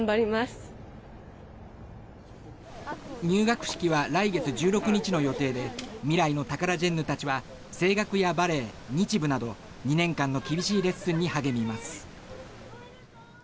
入学式は来月１６日の予定で未来のタカラジェンヌたちは声楽やバレエ、日舞など２年間の厳しいレッスンに励みます。